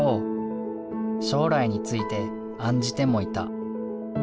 将来について案じてもいた。